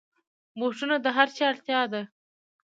بوټونه د هرچا اړتیا ده.